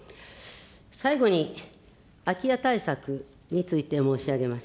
最後に、空き家対策について申し上げます。